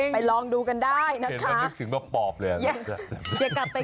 ไปลองดูกันได้นะคะ